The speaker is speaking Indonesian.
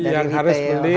yang harus beli